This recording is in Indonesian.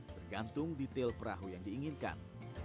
tergantung detail perahu yang diinginkan